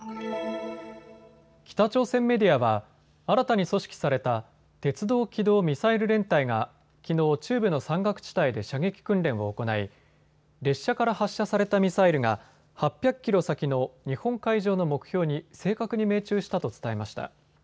北朝鮮メディアは新たに組織された鉄道機動ミサイル連隊がきのう、中部の山岳地帯で射撃訓練を行い列車から発射されたミサイルが８００キロ先の日本海上の目標に正確に命中したと伝えました。